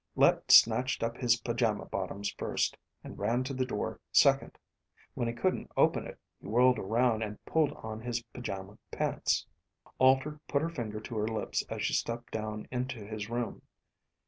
Let snatched up his pajama bottoms first, and ran to the door second. When he couldn't open it, he whirled around and pulled on his pajama pants. Alter put her finger to her lips as she stepped down into his room.